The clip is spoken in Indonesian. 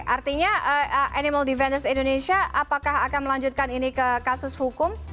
artinya animal defenders indonesia apakah akan melanjutkan ini ke kasus hukum